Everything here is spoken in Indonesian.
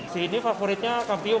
sini favoritnya kampiun